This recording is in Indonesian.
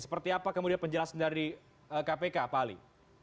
seperti apa kemudian penjelasan dari kpk pak ali